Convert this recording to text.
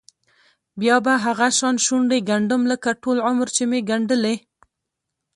بیا به هغه شان شونډې ګنډم لکه ټول عمر چې مې ګنډلې.